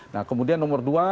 nah kemudian nomor dua